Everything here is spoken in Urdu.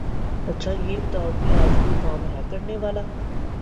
اچھا یہ بتاؤ کے آج کوئی کام ہے کرنے والا؟